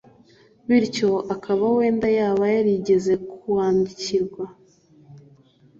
bityo akaba wenda yaba yarigeze kuwandikirwa